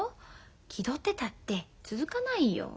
気取ってたって続かないよ。